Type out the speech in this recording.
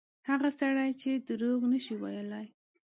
هغه سړی چې دروغ نه شي ویلای.